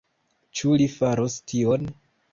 Ĉu li faros tion?